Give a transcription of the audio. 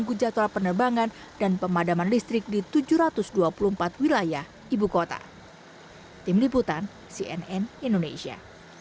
gujatwa penerbangan dan pemadaman listrik di tujuh ratus dua puluh empat wilayah ibu kota tim liputan cnn indonesia